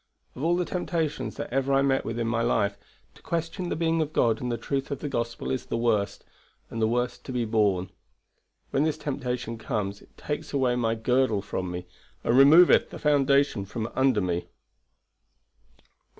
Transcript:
Of all the temptations that ever I met with in my life, to question the being of God and the truth of the Gospel is the worst, and the worst to be borne. When this temptation comes it takes away my girdle from me, and removeth the foundation from under me."